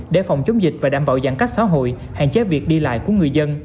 để phòng chống dịch và đảm bảo giãn cách xã hội hạn chế việc đi lại của người dân